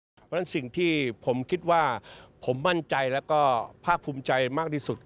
เพราะฉะนั้นสิ่งที่ผมคิดว่าผมมั่นใจแล้วก็ภาคภูมิใจมากที่สุด